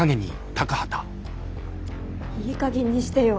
いいかげんにしてよ！